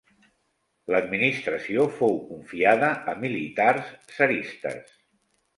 L'administració fou confiada a militars tsaristes.